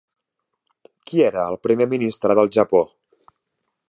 Qui era el Primer ministre del Japó?